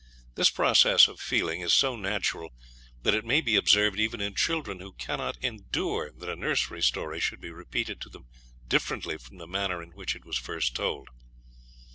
This process of feeling is so natural, that it may be observed even in children, who cannot endure that a nursery story should be repeated to them differently from the manner in which it was first told.